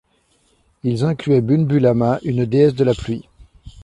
Ils incluaient Bunbulama, une déesse de la pluie.